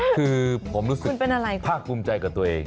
คือผมรู้สึกภาคภูมิใจกับตัวเอง